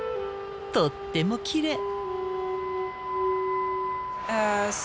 とってもきれい。